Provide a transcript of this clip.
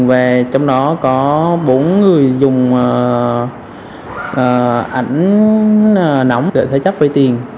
và trong đó có bốn người dùng ảnh nóng để thế chấp vay tiền